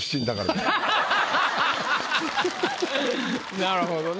なるほどね。